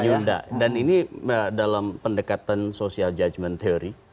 nyunda dan ini dalam pendekatan social judgement theory